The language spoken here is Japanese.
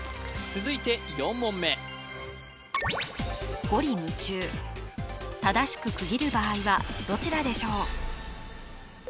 続いて４問目正しく区切る場合はどちらでしょう？